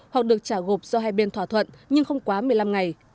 hoặc được trả gộp do hai bên thỏa thuận nhưng không quá một mươi năm ngày